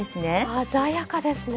鮮やかですね。